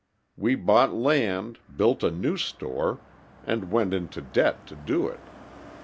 We bought land, built a new store, and went into debt to do it.